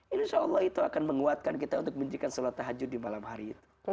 insya allah itu akan menguatkan kita untuk menjikan sholat tahajud di malam hari itu